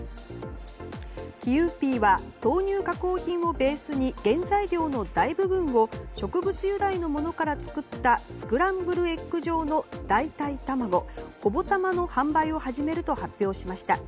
キユーピーは豆乳加工品をベースに原材料の大部分を植物由来のものから作ったスクランブルエッグ状の代替卵ＨＯＢＯＴＡＭＡの販売を始めると発表しました。